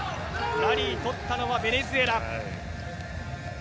ラリー取ったのはベネズエラ。